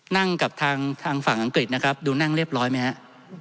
นั่งกับทางฝั่งอังกฤษนะครับดูนั่งเรียบร้อยไหมฮะ